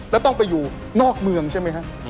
แล้วต้องไปอยู่นอกเมืองใช่ไหมฮะ